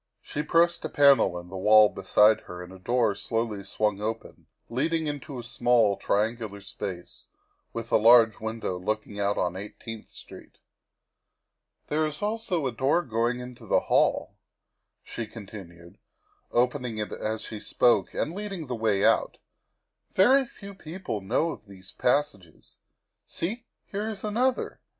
'' She pressed a panel in the wall beside her and a door slowly swung open, leading into a small, triangular space, with a large window looking out on Eighteenth Street. " There is also a door going into the hall," she con tinued, opening it as she spoke and leading the way out. " Very few people know of these passages. See, here is another.